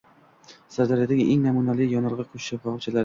Sirdaryodagi eng namunali yonilg‘i quyish shaxobchalari